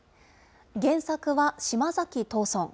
原作は島崎藤村。